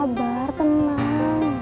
aku mau ke rumah